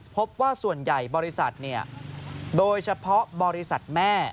พบว่าส่วนใหญ่บริษัทโดยเฉพาะบริษัทแม่